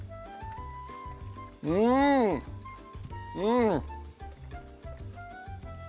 うんうん！